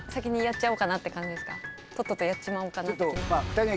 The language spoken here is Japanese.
とっととやっちまうかな的な。